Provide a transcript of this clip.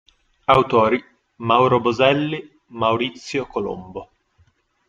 Autori: Mauro Boselli, Maurizio Colombo.